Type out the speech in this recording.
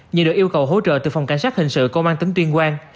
những đội yêu cầu hỗ trợ từ phòng cảnh sát hình sự công an tỉnh tuyên quang